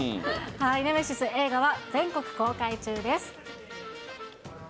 ネメシス、映画は全国公開中です。